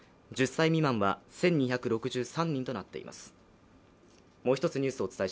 １０歳未満は、１２６３人となっています。